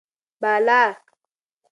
بالا: